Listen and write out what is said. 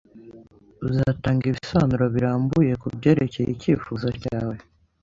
Uzatanga ibisobanuro birambuye kubyerekeye icyifuzo cyawe?